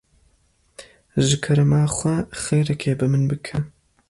Ji kerema xwe xêrekê bi min bike.